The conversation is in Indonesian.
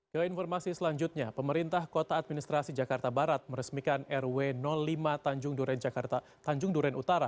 ke informasi selanjutnya pemerintah kota administrasi jakarta barat meresmikan rw lima tanjung tanjung duren utara